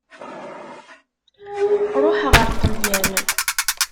Ṛuḥeɣ ar Ṭelyan.